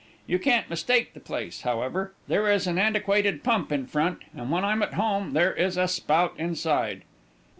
You can't mistake the place, however; there is an antiquated pump in front, and when I'm at home there is a Spout inside."